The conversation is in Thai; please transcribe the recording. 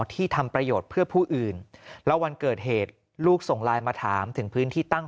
ที่ทำประโยชน์เพื่อผู้อื่นแล้ววันเกิดเหตุลูกส่งไลน์มาถามถึงพื้นที่ตั้ง